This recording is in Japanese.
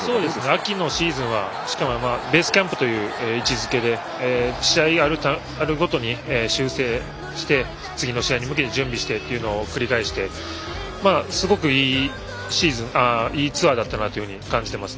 秋のシーズンはベースキャンプという位置づけで試合があるごとに修正して次の試合に向けて準備してというのを繰り返してすごくいいツアーだったなと感じています。